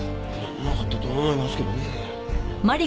なかったと思いますけどねえ。